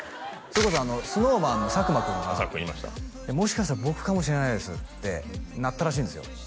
それこそＳｎｏｗＭａｎの佐久間君がさっくんいました「もしかしたら僕かもしれないです」ってなったらしいんですよ